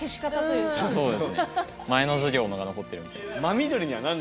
前の授業のが残ってるみたいな。